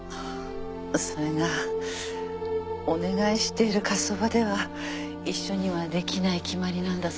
それがお願いしている火葬場では一緒にはできない決まりなんだそうです。